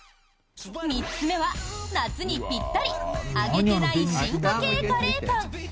３つ目は夏にぴったり揚げてない進化系カレーパン！